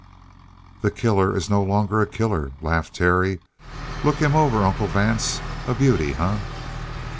"The killer is no longer a killer," laughed Terry. "Look him over, Uncle Vance. A beauty, eh?"